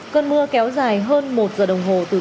cơn mưa kéo dài hơn một giờ đồng hồ từ cây trồng